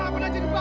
sambil ke bawah